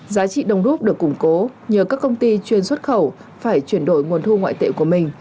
giá trị đồng rút được củng cố nhờ các công ty chuyên xuất khẩu phải chuyển đổi nguồn thu ngoại tệ của mình